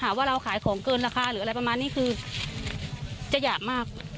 ว่าเราขายของเกินราคาหรืออะไรประมาณนี้คือจะอยากมาก